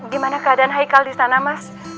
gimana keadaan haikal di sana mas